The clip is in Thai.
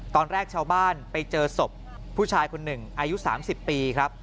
ตอนแรกชาวบ้านไปเจอศพผู้ชายคนหนึ่งอายุ๓๐ปีครับ